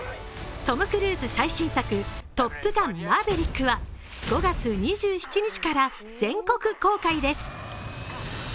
トム・クルーズ最新作「トップガンマーヴェリック」は５月２７日から全国公開です。